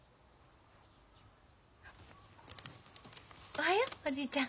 おはようおじいちゃん。